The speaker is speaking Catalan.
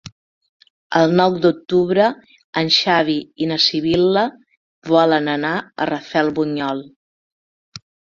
El nou d'octubre en Xavi i na Sibil·la volen anar a Rafelbunyol.